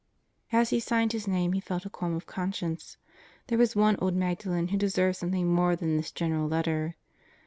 As he signed his name he felt a qualm of conscience. There was one old Magdalen who deserved something more than this general letter.